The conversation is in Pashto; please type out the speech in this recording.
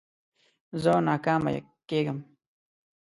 زه ناکامه کېږم.